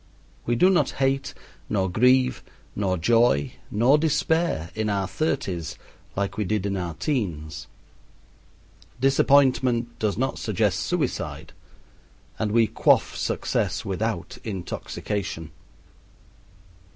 We do not hate, nor grieve, nor joy, nor despair in our thirties like we did in our teens. Disappointment does not suggest suicide, and we quaff success without intoxication.